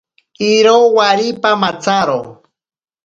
Iro waripa matsaro.